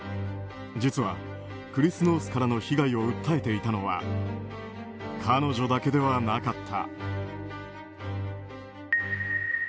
実はクリス・ノースからの被害を訴えていたのは彼女だけではなかった。